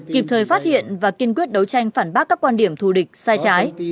kịp thời phát hiện và kiên quyết đấu tranh phản bác các quan điểm thù địch sai trái